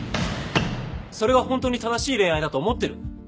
それが本当に正しい恋愛だと思ってる？